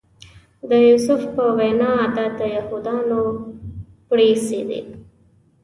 د یوسف په وینا دا د یهودانو بړیڅي دي.